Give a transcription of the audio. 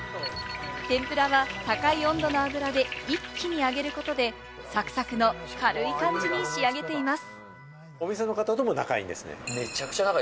天ぷらは高い温度の油で一気に揚げることで、サクサクの軽い感じに仕上げています。